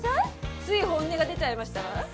つい本音が出ちゃいましたわ。